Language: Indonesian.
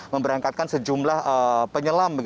memberangkatkan sejumlah penyelam